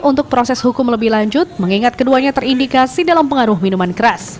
untuk proses hukum lebih lanjut mengingat keduanya terindikasi dalam pengaruh minuman keras